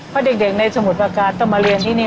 เพราะเด็กในสมุทรประการต้องมาเรียนที่นี่